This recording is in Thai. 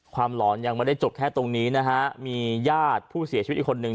หลอนยังไม่ได้จบแค่ตรงนี้นะฮะมีญาติผู้เสียชีวิตอีกคนนึง